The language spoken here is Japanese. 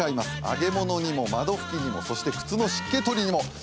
揚げ物にも窓拭きにもそして靴の湿気取りにも。